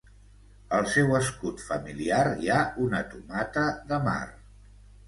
Al seu escut familiar hi ha una tomata de mar.